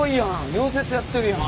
溶接やってるやん。